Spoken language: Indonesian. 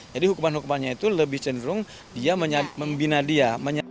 jadi hukuman hukumannya itu lebih cenderung dia membina dia